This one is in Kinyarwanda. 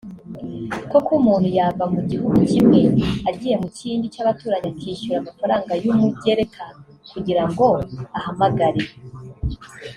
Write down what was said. koko umuntu yava mu gihugu kimwe agiye mu kindi cy’abaturanyi akishyura amafaranga y’umugereka kugira ngo ahamagare